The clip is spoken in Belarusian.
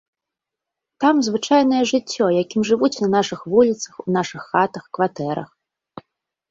Там звычайнае жыццё, якім жывуць на нашых вуліцах, у нашых хатах, кватэрах.